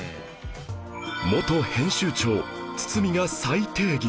元編集長堤が再定義